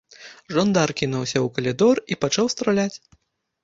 Жандар кінуўся ў калідор і пачаў страляць.